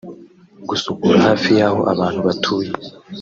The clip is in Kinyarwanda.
Gusukura hafi y’aho abantu batuye